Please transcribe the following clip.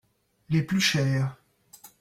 Les plus chers.